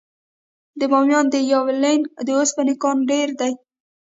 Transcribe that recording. د بامیان د یکاولنګ د اوسپنې کانونه ډیر دي.